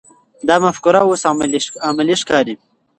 دا مفکوره اوس عملي ښکاري.